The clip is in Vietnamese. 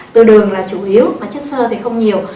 tương đường là chủ yếu mà chất sơ thì không nhiều